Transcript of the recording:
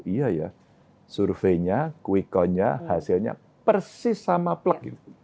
iya ya surveinya qikon nya hasilnya persis sama plek